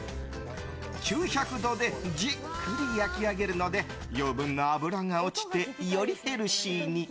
９００度でじっくり焼き上げるので余分な脂が落ちてよりヘルシーに。